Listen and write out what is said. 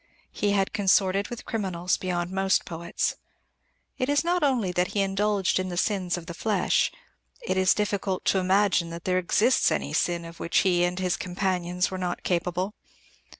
He had consorted with criminals beyond most poets. It is not only that he indulged in the sins of the flesh. It is difficult to imagine that there exists any sin of which he and his companions were not capable.